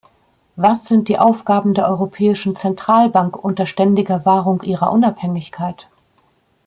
Was sind die Aufgaben der Europäischen Zentralbank, unter ständiger Wahrung ihrer Unabhängigkeit?